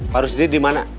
pak rusdi dimana